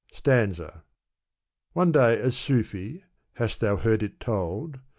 Stanza, One day a Sufi (hast thou heard it told ?)